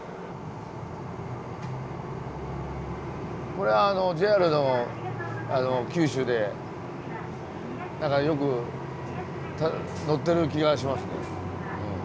これはＪＲの九州で何かよく乗ってる気がしますね。